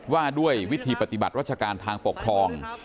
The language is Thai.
ว่าด้วยวิธีปฏิบัติรัชการทางปกครอง